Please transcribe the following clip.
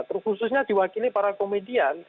terus khususnya diwakili para komedian